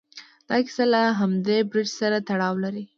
دا کیسه له همدې برج سره تړاو لري.